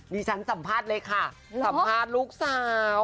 ดิฉันสัมภาษณ์เลยค่ะสัมภาษณ์ลูกสาว